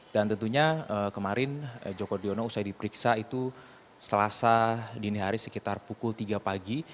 dan tentunya kemarin joko driono usai diperiksa itu selasa dini hari sekitar pukul tiga pagi